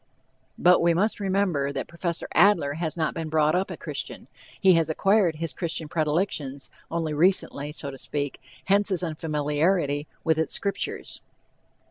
But we must remember that Prof. Adler has not been brought up a Christian. He has acquired his Christian predilections only recently, so to speak, hence his unfamiliarity with its Scriptures.